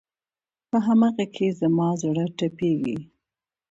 په هم هغه کې زما زړه تپېږي